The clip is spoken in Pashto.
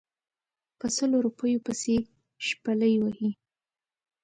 په سلو روپیو پسې شپلۍ وهلې.